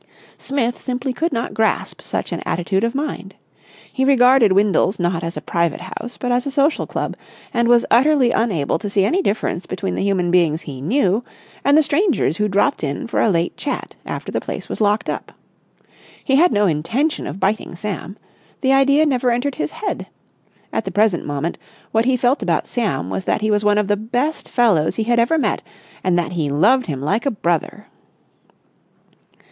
Smith simply could not grasp such an attitude of mind. He regarded Windles not as a private house but as a social club, and was utterly unable to see any difference between the human beings he knew and the strangers who dropped in for a late chat after the place was locked up. He had no intention of biting Sam. The idea never entered his head. At the present moment what he felt about Sam was that he was one of the best fellows he had ever met and that he loved him like a brother.